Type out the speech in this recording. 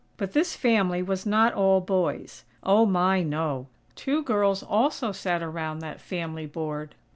But this family was not all boys. Oh, my, no! Two girls also sat around that family board.